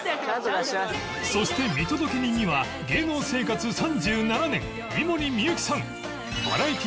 そして見届け人には芸能生活３７年井森美幸さん